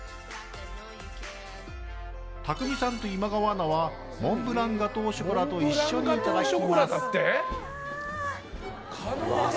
たくみさんと今川アナはモンブランガトーショコラと一緒にいただきます。